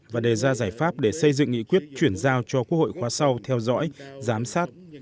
và đề ra giải pháp để xây dựng nghị quyết chuyển giao cho quốc hội khóa sau theo dõi giám sát